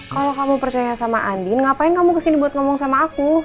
kalau kamu percaya sama andin ngapain kamu kesini buat ngomong sama aku